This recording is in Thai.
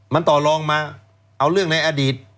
มันต่อลองมาเอาเรื่องในอดีต